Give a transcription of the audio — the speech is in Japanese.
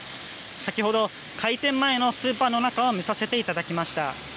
先ほど、開店前のスーパーの中を見させていただきました。